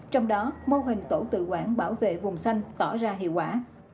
trong đó mô hình tổ tự quản bảo vệ vùng xanh tỏ ra hiệu quả